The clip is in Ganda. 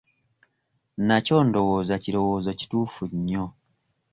Nakyo ndowooza kirowoozo kituufu nnyo.